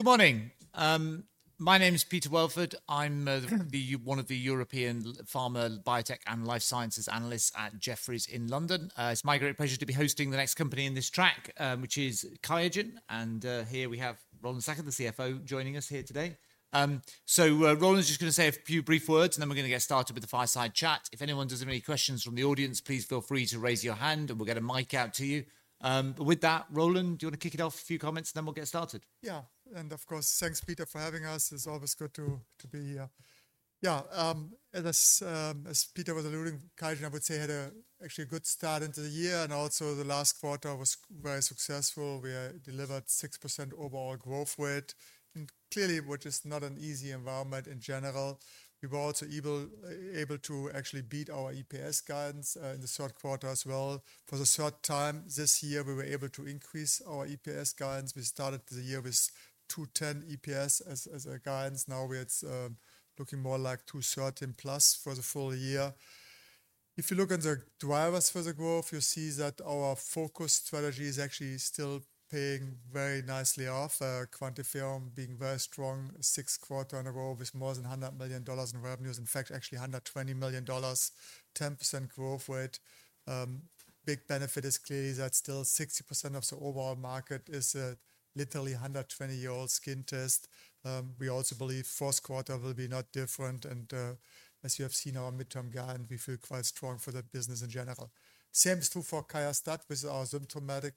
Good morning. My name is Peter Welford. I'm one of the European Pharma Biotech and Life Sciences analysts at Jefferies in London. It's my great pleasure to be hosting the next company in this track, which is Qiagen. And here we have Roland Sackers, the CFO, joining us here today. So Roland's just going to say a few brief words, and then we're going to get started with the fireside chat. If anyone does have any questions from the audience, please feel free to raise your hand, and we'll get a mic out to you. But with that, Roland, do you want to kick it off a few comments, and then we'll get started? Yeah. And of course, thanks, Peter, for having us. It's always good to be here. Yeah. As Peter was alluding, Qiagen, I would say, had actually a good start into the year. And also, the last quarter was very successful. We delivered 6% overall growth rate. And clearly, which is not an easy environment in general, we were also able to actually beat our EPS guidance in the second quarter as well. For the third time this year, we were able to increase our EPS guidance. We started the year with 210 EPS as a guidance. Now we're looking more like 213+ for the full year. If you look at the drivers for the growth, you see that our focus strategy is actually still paying very nicely off, QuantiFERON being very strong six quarters in a row with more than $100 million in revenues. In fact, actually $120 million, 10% growth rate. Big benefit is clearly that still 60% of the overall market is literally 120-year-old skin test. We also believe Q4 will be no different, and as you have seen our midterm guidance, we feel quite strong for the business in general. Same is true for QIAstat, which is our syndromic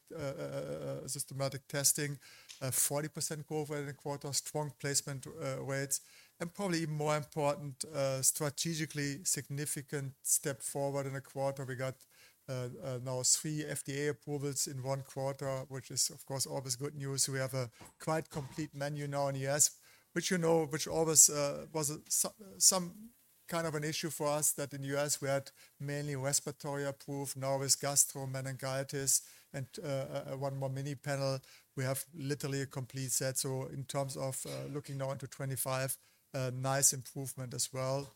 testing, 40% growth rate in a quarter, strong placement rates. And probably more important, strategically significant step forward in a quarter. We got now three FDA approvals in one quarter, which is, of course, always good news. We have a quite complete menu now in the U.S., which you know always was some kind of an issue for us that in the U.S. we had mainly respiratory approved. Now with gastro meningitis and one more mini panel, we have literally a complete set. In terms of looking now into 2025, nice improvement as well.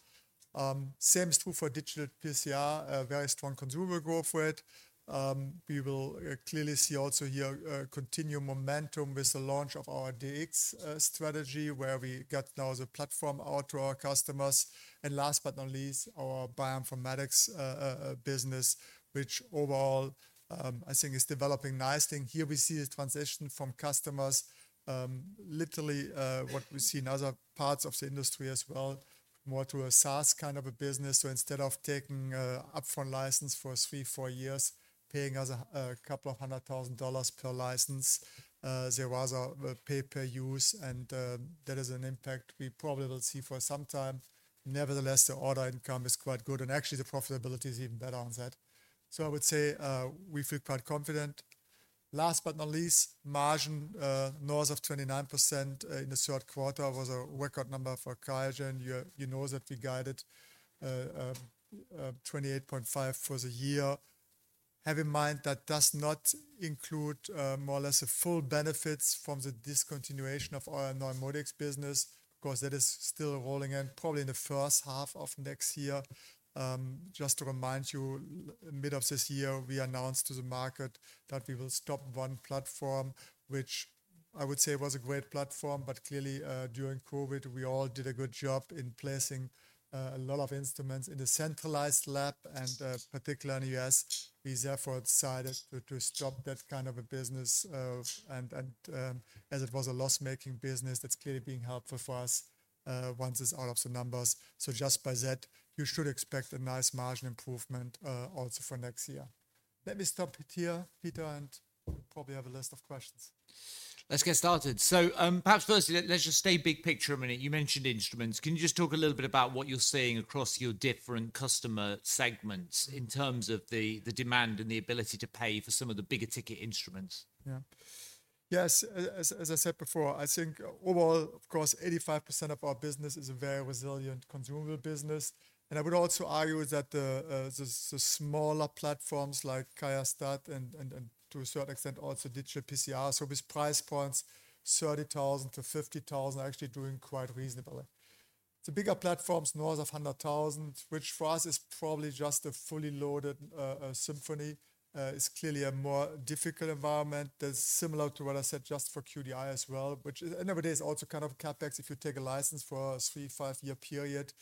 Same is true for digital PCR, very strong consumer growth rate. We will clearly see also here continue momentum with the launch of our dPCR strategy, where we got now the platform out to our customers. And last but not least, our bioinformatics business, which overall I think is developing nicely. Here we see a transition from customers, literally what we see in other parts of the industry as well, more to a SaaS kind of a business. So instead of taking an upfront license for three, four years, paying us $200,000 per license, there was a pay-per-use, and that is an impact we probably will see for some time. Nevertheless, the order income is quite good, and actually the profitability is even better on that. So I would say we feel quite confident. Last but not least, margin north of 29% in the third quarter was a record number for Qiagen. You know that we guided 28.5% for the year. Have in mind that does not include more or less the full benefits from the discontinuation of our NeuMoDx business. Of course, that is still rolling in probably in the first half of next year. Just to remind you, mid of this year, we announced to the market that we will stop one platform, which I would say was a great platform. But clearly, during COVID, we all did a good job in placing a lot of instruments in the centralized lab, and particularly in the U.S. We therefore decided to stop that kind of a business. And as it was a loss-making business, that's clearly being helpful for us once it's out of the numbers. So just by that, you should expect a nice margin improvement also for next year. Let me stop here, Peter, and we'll probably have a list of questions. Let's get started. So perhaps first, let's just stay big picture a minute. You mentioned instruments. Can you just talk a little bit about what you're seeing across your different customer segments in terms of the demand and the ability to pay for some of the bigger ticket instruments? Yeah. Yes. As I said before, I think overall, of course, 85% of our business is a very resilient consumer business. And I would also argue that the smaller platforms like QIAstat, and to a certain extent also digital PCR, so with price points $30,000-$50,000, are actually doing quite reasonably. The bigger platforms north of $100,000, which for us is probably just a fully loaded Symphony, is clearly a more difficult environment. That's similar to what I said just for QDI as well, which is every day is also kind of CapEx. If you take a license for a three- to five-year period,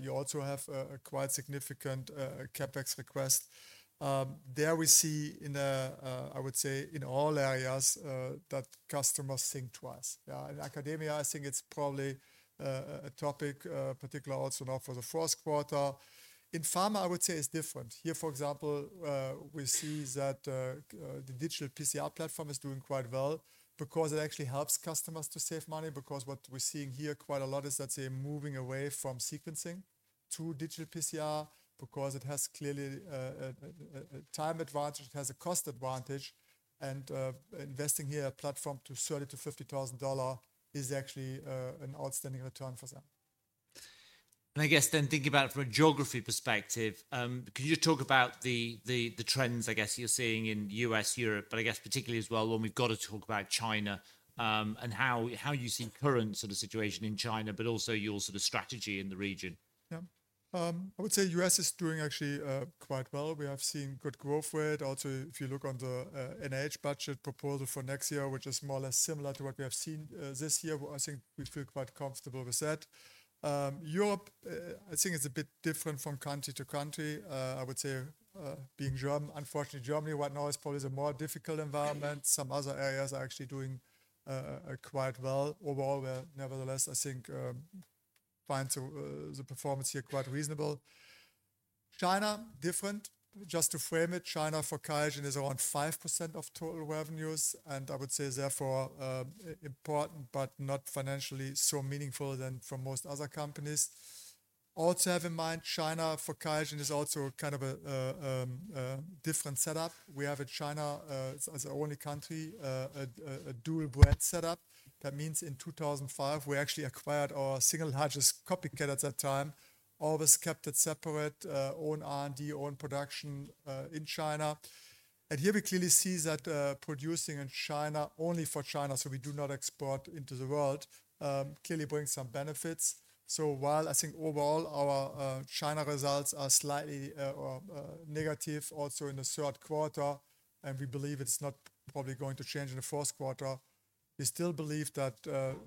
you also have a quite significant CapEx request. There we see, I would say, in all areas, that customers think twice. In academia, I think it's probably a topic, particularly also now for the fourth quarter. In pharma, I would say it's different. Here, for example, we see that the digital PCR platform is doing quite well because it actually helps customers to save money. Because what we're seeing here quite a lot is that they're moving away from sequencing to digital PCR because it has clearly a time advantage. It has a cost advantage, and investing here at a platform to $30,000-$50,000 is actually an outstanding return for them. I guess then thinking about from a geography perspective, could you just talk about the trends, I guess, you're seeing in the US, Europe, but I guess particularly as well when we've got to talk about China and how you see current sort of situation in China, but also your sort of strategy in the region? Yeah. I would say the US is doing actually quite well. We have seen good growth rate. Also, if you look on the NIH budget proposal for next year, which is more or less similar to what we have seen this year, I think we feel quite comfortable with that. Europe, I think it's a bit different from country to country. I would say being German, unfortunately, Germany right now is probably the more difficult environment. Some other areas are actually doing quite well. Overall, nevertheless, I think we find the performance here quite reasonable. China, different. Just to frame it, China for Qiagen is around 5% of total revenues. And I would say therefore important, but not financially so meaningful than for most other companies. Also have in mind, China for Qiagen is also kind of a different setup. We have in China, as the only country, a dual-brand setup. That means in 2005, we actually acquired our single largest copycat at that time, always kept it separate, own R&D, own production in China. Here we clearly see that producing in China only for China, so we do not export into the world, clearly brings some benefits. While I think overall our China results are slightly negative also in the third quarter, and we believe it's not probably going to change in the Q4, we still believe that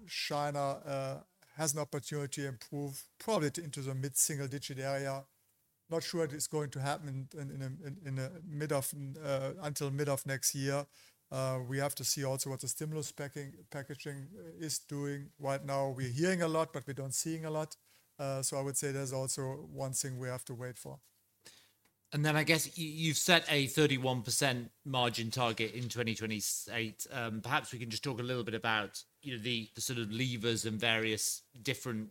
China has an opportunity to improve probably into the mid-single-digit area. Not sure it's going to happen until mid of next year. We have to see also what the stimulus package is doing. Right now, we're hearing a lot, but we don't see a lot. I would say there's also one thing we have to wait for. And then I guess you've set a 31% margin target in 2028. Perhaps we can just talk a little bit about the sort of levers and various different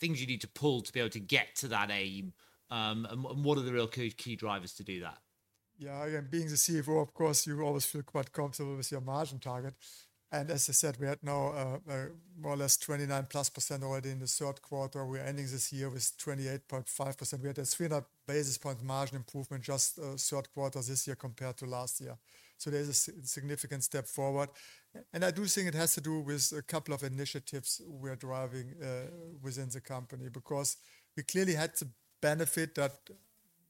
things you need to pull to be able to get to that aim. And what are the real key drivers to do that? Yeah. Again, being the CFO, of course, you always feel quite comfortable with your margin target. And as I said, we had now more or less 29%+ already in the third quarter. We're ending this year with 28.5%. We had a 300-basis point margin improvement just third quarter this year compared to last year. So, there's a significant step forward. And I do think it has to do with a couple of initiatives we're driving within the company because we clearly had the benefit that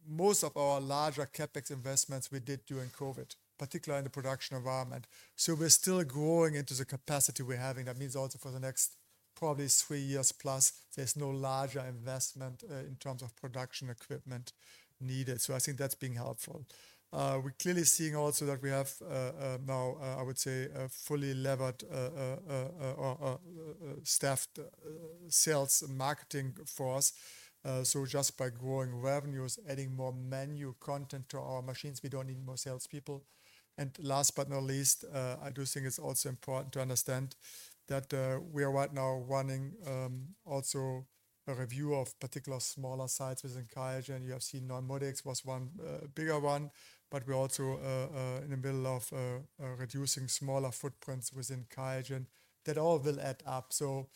most of our larger CapEx investments we did during COVID, particularly in the production environment. So we're still growing into the capacity we're having. That means also for the next probably three years+, there's no larger investment in terms of production equipment needed. So I think that's being helpful. We're clearly seeing also that we have now, I would say, fully levered staffed sales and marketing for us. So just by growing revenues, adding more menu content to our machines, we don't need more salespeople, and last but not least, I do think it's also important to understand that we are right now running also a review of particular smaller sites within Qiagen. You have seen NeuMoDx was one bigger one, but we're also in the middle of reducing smaller footprints within Qiagen. That all will add up, so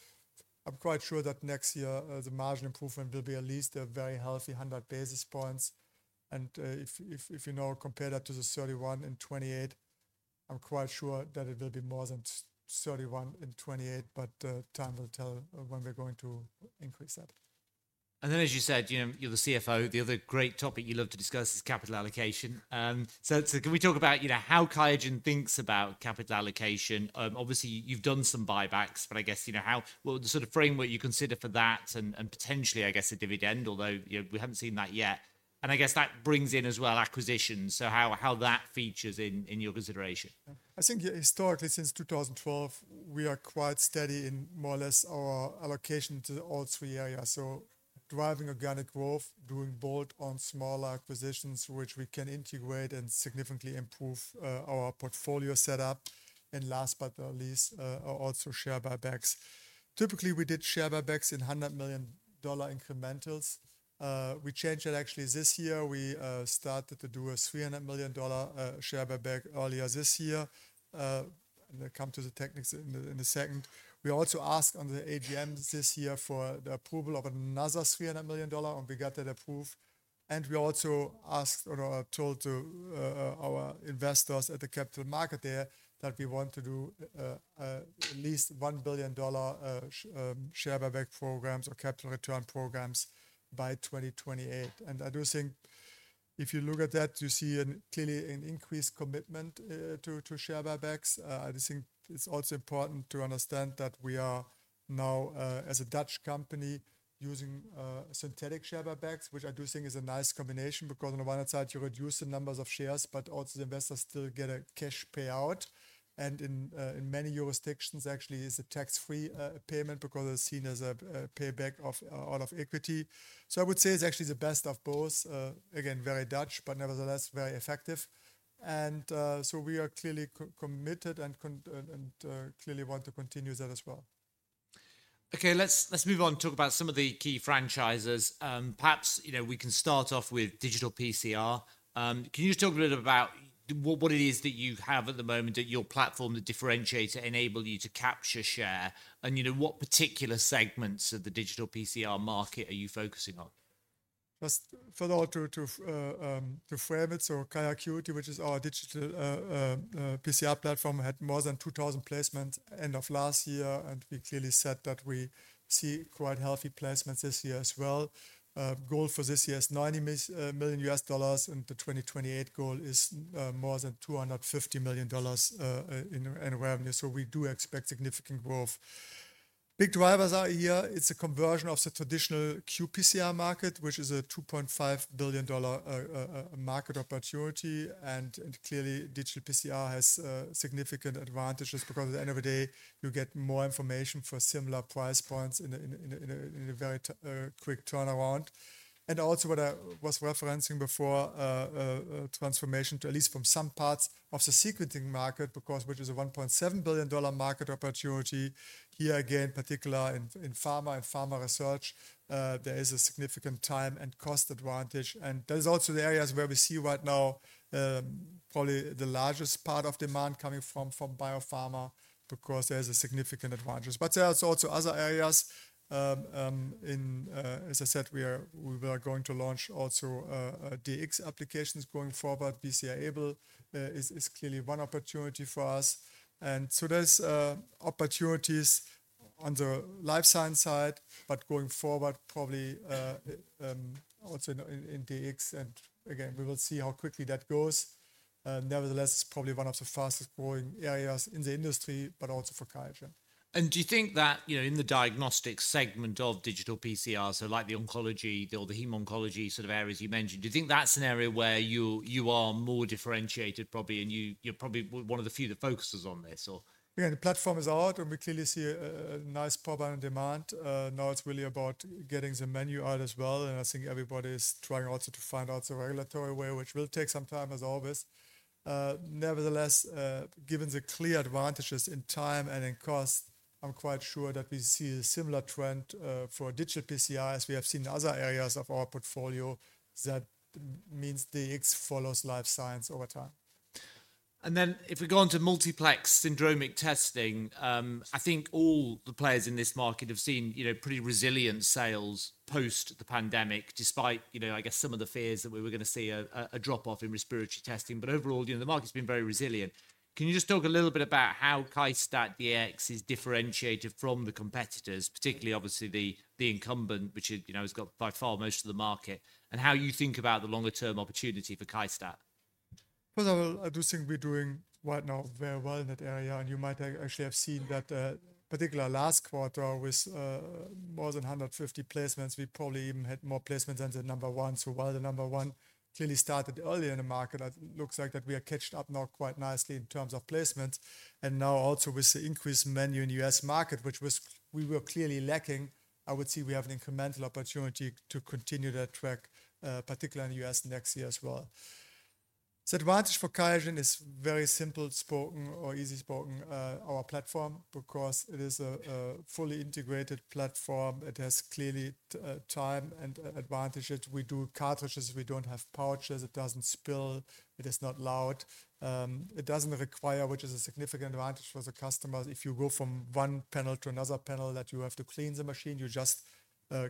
I'm quite sure that next year, the margin improvement will be at least a very healthy 100 basis points, and if you now compare that to the 31 in 2028, I'm quite sure that it will be more than 31 in 2028, but time will tell when we're going to increase that. Then, as you said, you're the CFO. The other great topic you love to discuss is capital allocation. Can we talk about how Qiagen thinks about capital allocation? Obviously, you've done some buybacks, but I guess what sort of framework you consider for that and potentially, I guess, a dividend, although we haven't seen that yet. I guess that brings in as well acquisitions. How that features in your consideration? I think historically, since 2012, we are quite steady in more or less our allocation to all three areas. Driving organic growth, doing bolt-on smaller acquisitions, which we can integrate and significantly improve our portfolio setup. Last but not least, also share buybacks. Typically, we did share buybacks in $100 million incrementals. We changed that actually this year. We started to do a $300 million share buyback earlier this year. I'll come to the techniques in a second. We also asked on the AGM this year for the approval of another $300 million, and we got that approved. We also asked or told to our investors at the capital market there that we want to do at least $1 billion share buyback programs or capital return programs by 2028. I do think if you look at that, you see clearly an increased commitment to share buybacks. I think it's also important to understand that we are now, as a Dutch company, using synthetic share buybacks, which I do think is a nice combination because on the one hand side, you reduce the numbers of shares, but also the investors still get a cash payout. And in many jurisdictions, actually, it's a tax-free payment because it's seen as a payback of all of equity. So I would say it's actually the best of both. Again, very Dutch, but nevertheless very effective. And so we are clearly committed and clearly want to continue that as well. Okay, let's move on and talk about some of the key franchises. Perhaps we can start off with digital PCR. Can you just talk a bit about what it is that you have at the moment at your platform that differentiates to enable you to capture share? And what particular segments of the digital PCR market are you focusing on? Just to frame it, QIAcuity, which is our digital PCR platform, had more than 2,000 placements end of last year. We clearly said that we see quite healthy placements this year as well. Goal for this year is $90 million, and the 2028 goal is more than $250 million in revenue. We do expect significant growth. Big drivers are here. It is a conversion of the traditional qPCR market, which is a $2.5 billion market opportunity. Clearly, digital PCR has significant advantages because at the end of the day, you get more information for similar price points in a very quick turnaround. Also what I was referencing before, transformation to at least from some parts of the sequencing market, which is a $1.7 billion market opportunity. Here again, particularly in pharma and pharma research, there is a significant time and cost advantage. And there's also the areas where we see right now probably the largest part of demand coming from biopharma because there's a significant advantage. But there's also other areas. As I said, we were going to launch also Dx applications going forward. BCR-ABL is clearly one opportunity for us. And so there's opportunities on the life science side, but going forward, probably also in Dx. And again, we will see how quickly that goes. Nevertheless, it's probably one of the fastest growing areas in the industry, but also for Qiagen. And do you think that in the diagnostic segment of digital PCR, so like the oncology or the hem-oncology sort of areas you mentioned, do you think that's an area where you are more differentiated probably? And you're probably one of the few that focuses on this, or? Yeah, the platform is out, and we clearly see a nice ramp in demand. Now it's really about getting the menu out as well. And I think everybody is trying also to find out the regulatory way, which will take some time as always. Nevertheless, given the clear advantages in time and in cost, I'm quite sure that we see a similar trend for digital PCR as we have seen in other areas of our portfolio. That means Dx follows life science over time. Then if we go on to multiplex syndromic testing, I think all the players in this market have seen pretty resilient sales post the pandemic, despite, I guess, some of the fears that we were going to see a drop-off in respiratory testing, but overall, the market's been very resilient. Can you just talk a little bit about how QIAstat-Dx is differentiated from the competitors, particularly obviously the incumbent, which has got by far most of the market, and how you think about the longer-term opportunity for QIAstat? First of all, I do think we're doing right now very well in that area, and you might actually have seen that particular last quarter with more than 150 placements. We probably even had more placements than the number one. While the number one clearly started early in the market, it looks like that we are caught up now quite nicely in terms of placements, and now also with the increased menu in the US market, which we were clearly lacking, I would see we have an incremental opportunity to continue that track, particularly in the US next year as well. The advantage for Qiagen is very simply spoken or easily spoken: our platform, because it is a fully integrated platform. It has clearly time and advantages. We do cartridges. We don't have pouches. It doesn't spill. It is not loud. It doesn't require, which is a significant advantage for the customers. If you go from one panel to another panel that you have to clean the machine, you just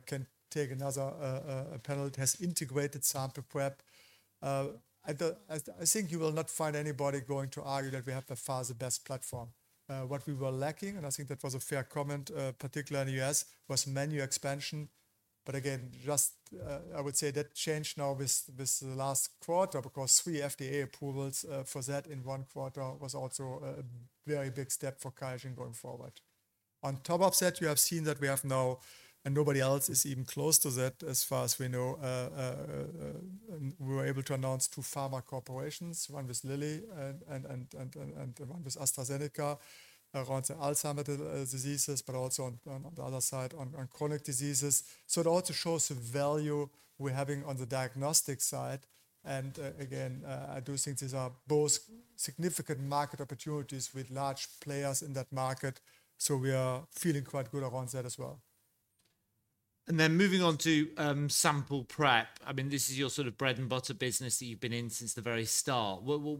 can take another panel. It has integrated sample prep. I think you will not find anybody going to argue that we have by far the best platform. What we were lacking, and I think that was a fair comment, particularly in the US, was menu expansion. But again, just I would say that changed now with the last quarter because three FDA approvals for that in one quarter was also a very big step for Qiagen going forward. On top of that, you have seen that we have now, and nobody else is even close to that as far as we know, we were able to announce two pharma corporations, one with Lilly and one with AstraZeneca around the Alzheimer's diseases, but also on the other side on chronic diseases. So it also shows the value we're having on the diagnostic side. And again, I do think these are both significant market opportunities with large players in that market. So we are feeling quite good around that as well. And then moving on to sample prep. I mean, this is your sort of bread and butter business that you've been in since the very start. What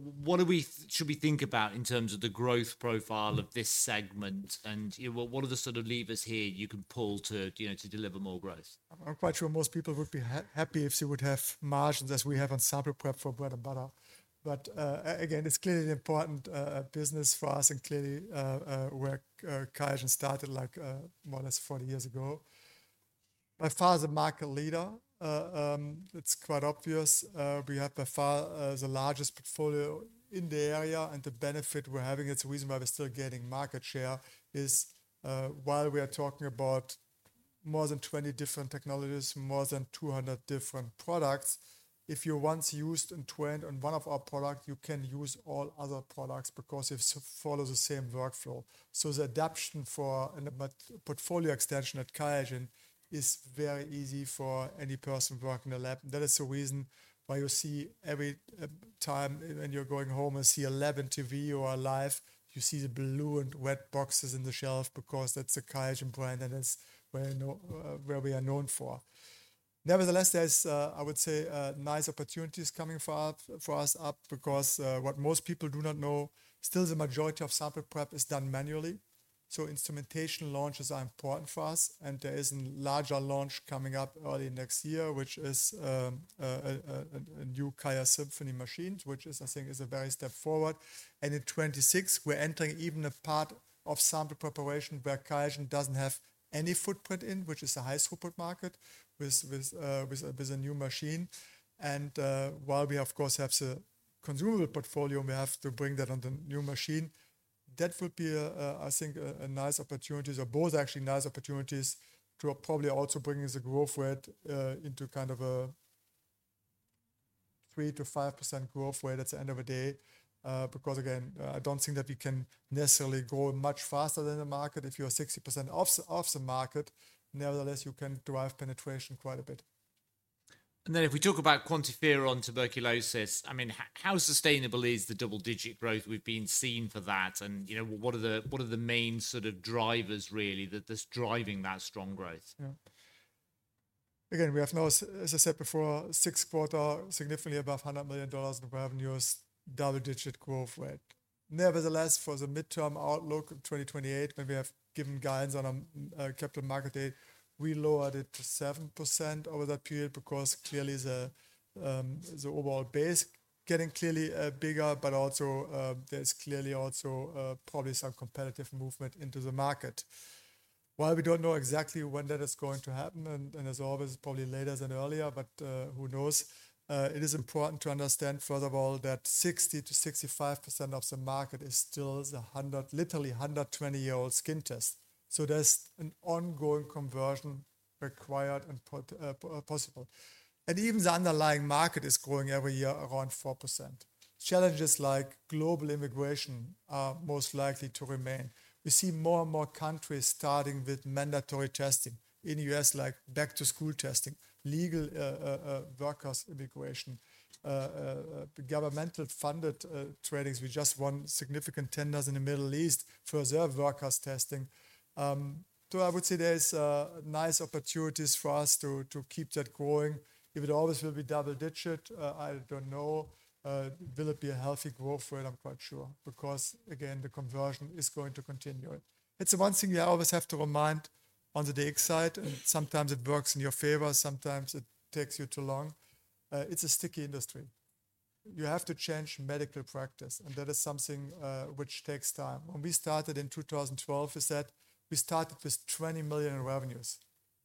should we think about in terms of the growth profile of this segment? And what are the sort of levers here you can pull to deliver more growth? I'm quite sure most people would be happy if they would have margins as we have on sample prep for bread and butter. But again, it's clearly an important business for us and clearly where Qiagen started like more or less 40 years ago. By far the market leader, it's quite obvious. We have by far the largest portfolio in the area. And the benefit we're having, it's the reason why we're still getting market share, is while we are talking about more than 20 different technologies, more than 200 different products, if you're once used and trained on one of our products, you can use all other products because it follows the same workflow. So the adoption for a portfolio extension at Qiagen is very easy for any person working in the lab. And that is the reason why you see every time when you're going home and see a lab in TV or a live, you see the blue and red boxes in the shelf because that's the Qiagen brand and that's where we are known for. Nevertheless, there's, I would say, nice opportunities coming for us up because what most people do not know, still the majority of sample prep is done manually. So instrumentation launches are important for us. And there is a larger launch coming up early next year, which is a new Qiagen Symphony machine, which I think is a very step forward. And in 2026, we're entering even a part of sample preparation where Qiagen doesn't have any footprint in, which is a high throughput market with a new machine. While we, of course, have a consumable portfolio, we have to bring that on the new machine. That would be, I think, a nice opportunity. Both actually nice opportunities to probably also bring the growth rate into kind of a 3%-5% growth rate at the end of the day. Because again, I don't think that we can necessarily grow much faster than the market. If you're 60% of the market, nevertheless, you can drive penetration quite a bit. Then if we talk about QuantiFERON tuberculosis, I mean, how sustainable is the double-digit growth we've been seeing for that? And what are the main sort of drivers really that's driving that strong growth? Again, we have now, as I said before, sixth quarter, significantly above $100 million in revenues, double-digit growth rate. Nevertheless, for the midterm outlook of 2028, when we have given guidance on a capital market date, we lowered it to 7% over that period because clearly the overall base is getting clearly bigger, but also there's clearly also probably some competitive movement into the market. While we don't know exactly when that is going to happen, and as always, probably later than earlier, but who knows? It is important to understand, first of all, that 60%-65% of the market is still the literally 120-year-old skin test. So there's an ongoing conversion required and possible. And even the underlying market is growing every year around 4%. Challenges like global immigration are most likely to remain. We see more and more countries starting with mandatory testing in the U.S., like back-to-school testing, legal workers' immigration, governmental funded trainings. We just won significant tenders in the Middle East for reserve workers' testing. So I would say there's nice opportunities for us to keep that growing. If it always will be double-digit, I don't know. Will it be a healthy growth rate? I'm quite sure because, again, the conversion is going to continue. It's the one thing you always have to remind on the Dx side. And sometimes it works in your favor. Sometimes it takes you too long. It's a sticky industry. You have to change medical practice. And that is something which takes time. When we started in 2012, we said we started with $20 million in revenues.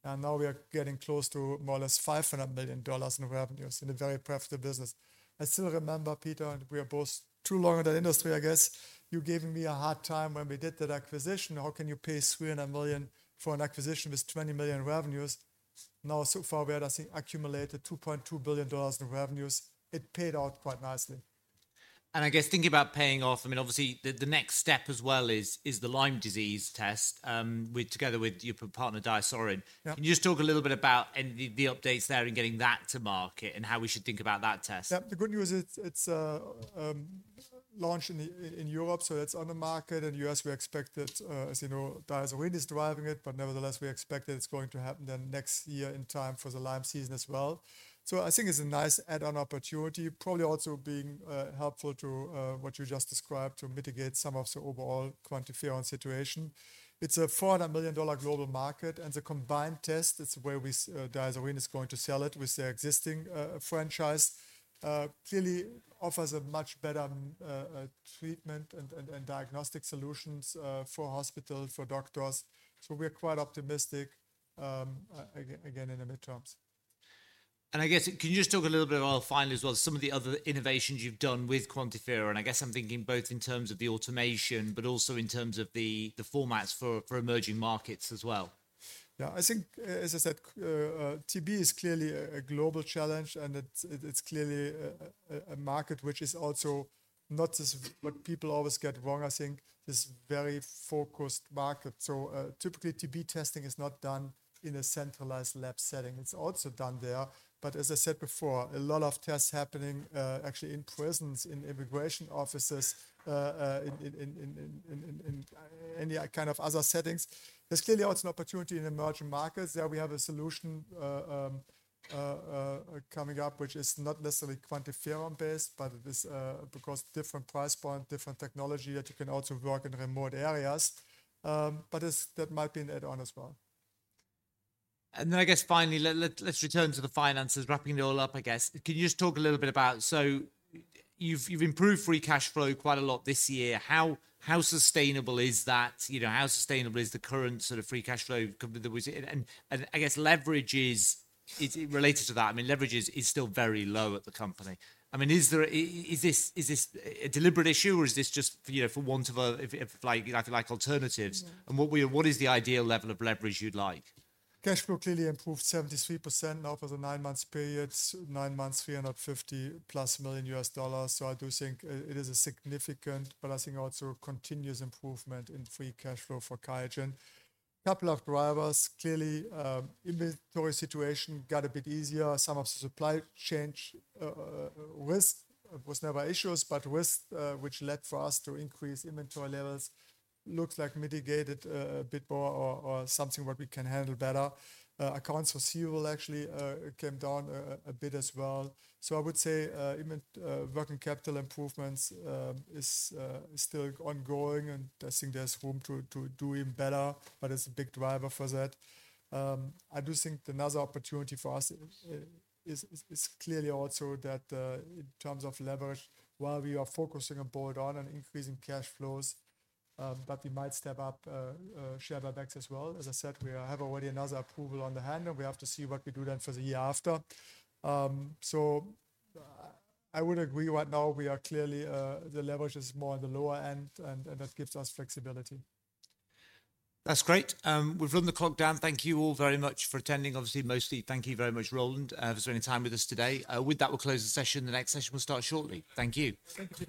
And now we are getting close to more or less $500 million in revenues in a very profitable business. I still remember, Peter, and we are both too long in that industry, I guess. You gave me a hard time when we did that acquisition. How can you pay $300 million for an acquisition with $20 million in revenues? Now, so far, we had, I think, accumulated $2.2 billion in revenues. It paid out quite nicely. I guess thinking about paying off, I mean, obviously, the next step as well is the Lyme disease test together with your partner, DiaSorin. Can you just talk a little bit about the updates there in getting that to market and how we should think about that test? Yeah, the good news is it's launched in Europe, so it's on the market. In the US, we expect that, as you know, DiaSorin is driving it. But nevertheless, we expect that it's going to happen then next year in time for the Lyme season as well, so I think it's a nice add-on opportunity, probably also being helpful to what you just described to mitigate some of the overall QuantiFERON situation. It's a $400 million global market, and the combined test, it's where DiaSorin is going to sell it with their existing franchise, clearly offers a much better treatment and diagnostic solutions for hospitals, for doctors, so we're quite optimistic, again, in the midterms. And I guess, can you just talk a little bit about finally as well some of the other innovations you've done with QuantiFERON? And I guess I'm thinking both in terms of the automation, but also in terms of the formats for emerging markets as well. Yeah, I think, as I said, TB is clearly a global challenge. And it's clearly a market which is also not what people always get wrong, I think, this very focused market. So typically, TB testing is not done in a centralized lab setting. It's also done there. But as I said before, a lot of tests happening actually in prisons, in immigration offices, in any kind of other settings. There's clearly also an opportunity in emerging markets. There we have a solution coming up, which is not necessarily QuantiFERON-based, but it is because of different price points, different technology that you can also work in remote areas. But that might be an add-on as well. And then I guess finally, let's return to the finances, wrapping it all up, I guess. Can you just talk a little bit about, so you've improved free cash flow quite a lot this year. How sustainable is that? How sustainable is the current sort of free cash flow? And I guess leverage is related to that. I mean, leverage is still very low at the company. I mean, is this a deliberate issue or is this just for want of, I feel like, alternatives? And what is the ideal level of leverage you'd like? Cash flow clearly improved 73% now for the nine-month period, nine months, $350 million+ US dollars. So I do think it is a significant, but I think also continuous improvement in free cash flow for Qiagen. A couple of drivers, clearly inventory situation got a bit easier. Some of the supply chain risk was never issues, but risk which led for us to increase inventory levels looks like mitigated a bit more or something what we can handle better. Accounts receivable actually came down a bit as well. So I would say working capital improvements is still ongoing, and I think there's room to do even better, but it's a big driver for that. I do think another opportunity for us is clearly also that in terms of leverage, while we are focusing on bolt-on and increasing cash flows, that we might step up share buybacks as well. As I said, we have already another approval in hand, and we have to see what we do then for the year after, so I would agree right now we are clearly the leverage is more on the lower end, and that gives us flexibility. That's great. We've run the clock down. Thank you all very much for attending. Obviously, mostly, thank you very much, Roland, for spending time with us today. With that, we'll close the session. The next session will start shortly. Thank you. Thank you.